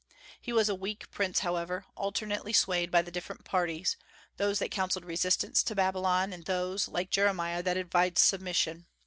He was a weak prince, however, alternately swayed by the different parties, those that counselled resistance to Babylon, and those, like Jeremiah, that advised submission.